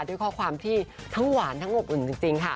ด้วยข้อความที่ทั้งหวานทั้งอบอุ่นจริงค่ะ